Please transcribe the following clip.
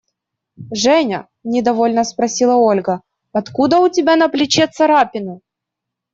Женя, – недовольно спросила Ольга, – откуда у тебя на плече царапина?